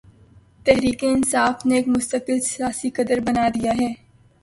تحریک انصاف نے اسے ایک مستقل سیاسی قدر بنا دیا ہے۔